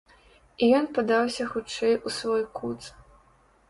І ён падаўся хутчэй у свой кут.